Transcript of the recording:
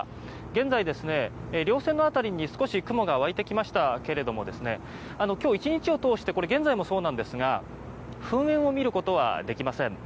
現在、稜線の辺りに少し雲が湧いてきましたけども今日１日を通して現在もそうですが噴煙を見ることはできません。